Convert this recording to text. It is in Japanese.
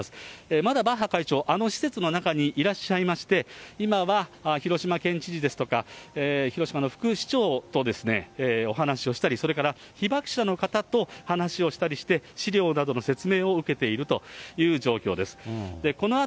まだバッハ会長、あの施設の中にいらっしゃいまして、今は広島県知事ですとか、広島の副市長とお話をしたり、それから被爆者の方と話をしたりして、史料などの説明を受けているという状況です。